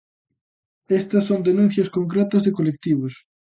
Estas son denuncias concretas de colectivos.